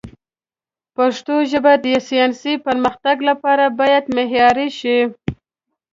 پښتو ژبه د ساینسي پرمختګ لپاره باید معیاري شي.